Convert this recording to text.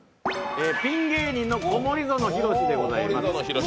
ピン芸人の小森園ひろしでございます。